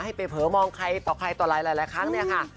ให้ไปเผลอมองใครต่อใครต่อหลายครั้งเนี่ยค่ะ